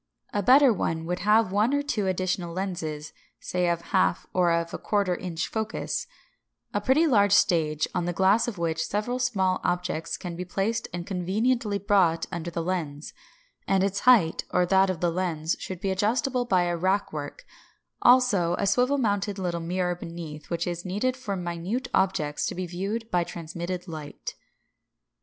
A better one would have one or two additional lenses (say of half and of a quarter inch focus), a pretty large stage, on the glass of which several small objects can be placed and conveniently brought under the lens; and its height or that of the lens should be adjustable by a rack work; also a swivel mounted little mirror beneath, which is needed for minute objects to be viewed by transmitted light.